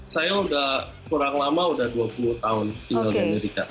saya sudah kurang lama sudah dua puluh tahun tinggal di amerika